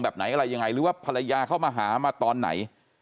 แบบไหนอะไรยังไงหรือว่าภรรยาเข้ามาหามาตอนไหน